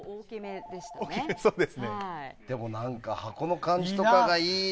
でも、箱の感じとかがいいね。